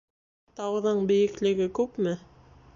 Тауҙың бейеклеге күпме?